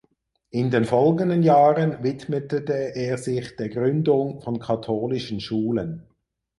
In den folgenden Jahren widmete er sich der Gründung von katholischen Schulen.